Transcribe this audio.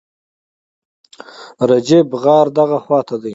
رجیب، غار دغه خواته دی.